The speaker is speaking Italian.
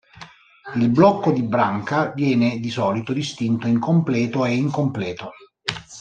Il blocco di branca viene di solito distinto in "completo" e "incompleto".